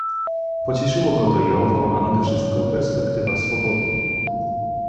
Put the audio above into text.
Pocieszyło go to i owo, a nade wszystko perspektywa swobody.